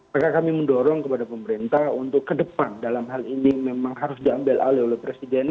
maka kami mendorong kepada pemerintah untuk ke depan dalam hal ini memang harus diambil alih oleh presiden